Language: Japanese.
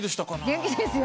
元気ですよ。